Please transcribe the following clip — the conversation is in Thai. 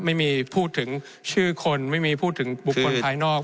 ไม่มีพูดถึงชื่อคนไม่มีพูดถึงบุคคลภายนอก